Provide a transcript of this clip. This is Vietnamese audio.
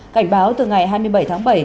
cảnh báo từ ngày hai mươi bảy tháng bảy